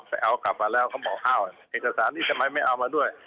ไปเอากลับมาแล้วเขาบอกอ้าวเอกสารนี้ทำไมไม่เอามาด้วย